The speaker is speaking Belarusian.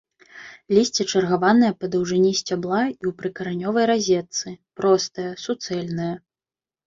Лісце чаргаванае па даўжыні сцябла і ў прыкаранёвай разетцы, простае, суцэльнае.